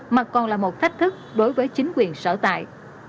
mà còn là một thách thức đối với chính quyền sở tại